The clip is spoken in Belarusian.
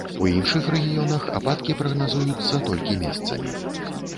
У іншых рэгіёнах ападкі прагназуюцца толькі месцамі.